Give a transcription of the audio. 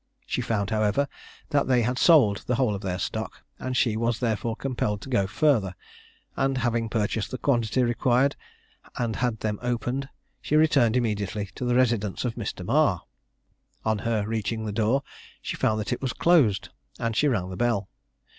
She found, however, that they had sold the whole of their stock, and she was therefore compelled to go further; and having purchased the quantity required, and had them opened, she returned immediately to the residence of Mr. Marr. On her reaching the door, she found that it was closed, and she rang the bell.